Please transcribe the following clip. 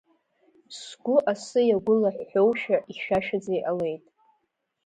Сгәы асы иагәылаҳәҳәоушәа ихьшәашәаӡа иҟалеит.